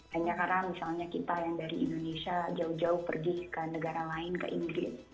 hanya karena misalnya kita yang dari indonesia jauh jauh pergi ke negara lain ke inggris